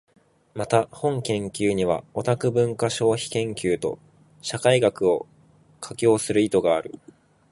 また、本研究にはオタク文化消費研究と社会学を架橋する意図がある。